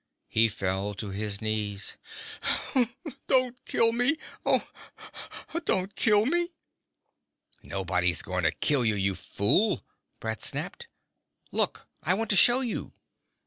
He fell to his knees. "Don't kill me ... oh, don't kill me ..." "Nobody's going to kill you, you fool!" Brett snapped. "Look! I want to show you!"